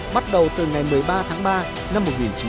bắt đầu từ ngày một mươi ba tháng ba năm một nghìn chín trăm năm mươi bốn